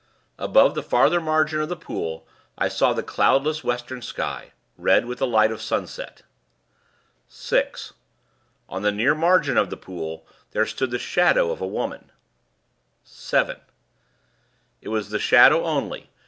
Above the farther margin of the pool I saw the cloudless western sky, red with the light of sunset. "6. On the near margin of the pool there stood the Shadow of a Woman. "7. It was the shadow only.